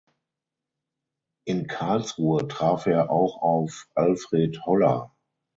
In Karlsruhe traf er auch auf Alfred Holler.